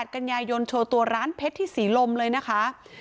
กันยายนโชว์ตัวร้านเพชรที่ศรีลมเลยนะคะ